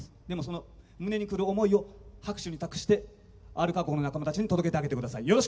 でもその胸に来る思いを拍手に託してアルカ号の仲間たちに届けてあげて下さい。